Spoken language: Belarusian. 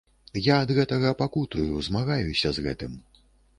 Я ад гэтага пакутую, змагаюся з гэтым.